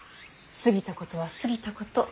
過ぎたことは過ぎたこと。